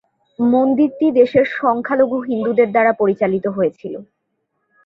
মন্দিরটি দেশের সংখ্যালঘু হিন্দুদের দ্বারা পরিচালিত হয়েছিল।